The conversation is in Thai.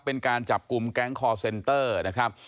เป็นการจับกลุ่มแก๊งคอร์เซนเตอร์นะครับ